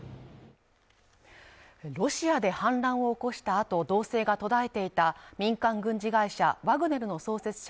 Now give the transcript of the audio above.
ロシアで反乱を起こした後動静が途絶えていた民間軍事会社ワグネルの創設者